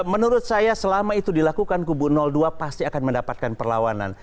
menurut saya selama itu dilakukan kubu dua pasti akan mendapatkan perlawanan